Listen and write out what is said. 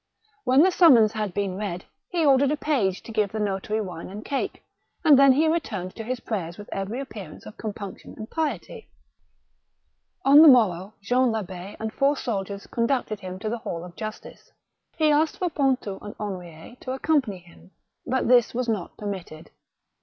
When the sum mons had been read, he ordered a page to give the notary wine and cake, and then he returned to his prayers with every appearance of compunction and piety. 208 THE BOOK OF WERE WOLVES. On the morrow Jean LabW and four soldiers con ducted him to the hall of justice. He asked for Pontou and Henriet to accompany him, but this was not per mitted.